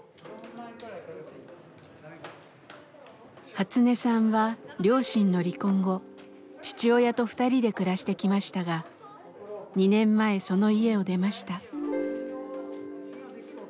ハツネさんは両親の離婚後父親と２人で暮らしてきましたが２年前その家を出ました。